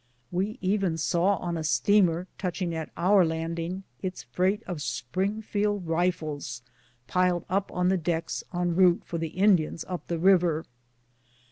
"We even saw on a steamer touching at our landing its freight of Springfield rifles piled up on the docks en route for the Indians up the river.